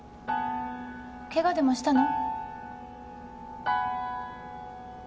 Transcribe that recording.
ケガでもしたの？